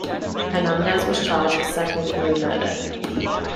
Hernandez was charged with second-degree murder.